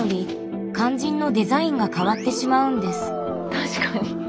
確かに。